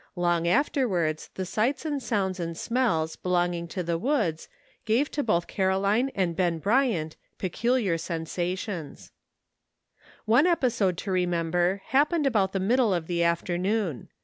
Long afterwards the sights and sounds and smells be longing to the woods gave to both Caroline and Ben Bryant peculiar sensations. 29 30 SOMt:THI! VG TO REMEMBER. One episode to remember happened about the middle of the afternoon.